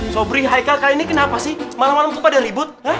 sobri haikal kali ini kenapa sih malam malam itu pada ribut